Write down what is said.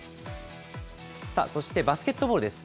さあそしてバスケットボールです。